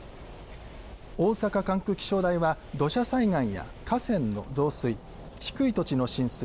大阪管区気象台は土砂災害や河川の増水低い土地の浸水